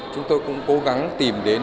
chúng tôi cũng cố gắng tìm đến